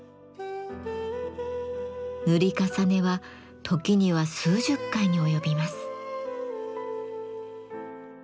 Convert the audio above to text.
塗り重ねは時には数十回に及びます。